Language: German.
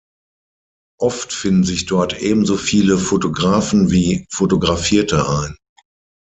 Oft finden sich dort ebenso viele Fotografen wie Fotografierte ein.